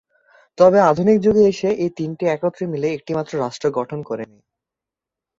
তবে আধুনিক যুগে এসে এই তিনটি একত্রে মিলে একটিমাত্র রাষ্ট্র গঠন করেনি।